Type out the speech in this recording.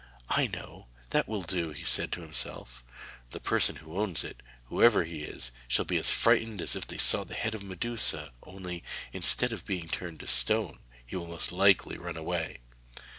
'I know! That will do!' he said to himself. 'The person who owns it, whoever he is, shall be as frightened as if he saw the head of Medusa; only, instead of being turned to stone, he will most likely run away!'